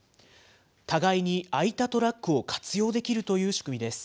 互いに空いたトラックを活用できるという仕組みです。